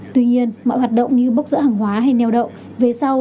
tuy nhiên mọi hoạt động như bốc rỡ hàng hóa hay neo đậu